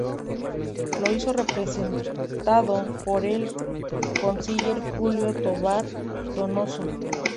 Lo hizo representado por el canciller Julio Tobar Donoso.